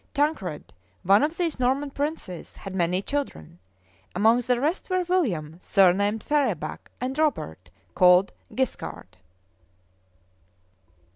Tancred, one of these Norman princes, had many children; among the rest were William, surnamed Ferabac, and Robert, called Guiscard.